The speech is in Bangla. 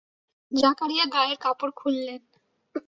জাকারিয়া গায়ের কাপড় খুললেন।